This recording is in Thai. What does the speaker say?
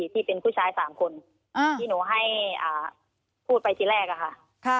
ที่เป็นผู้ชาย๓คนที่หนูให้พูดไปทีแรกอะค่ะ